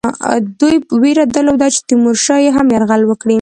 دوی وېره درلوده چې تیمورشاه هم یرغل وکړي.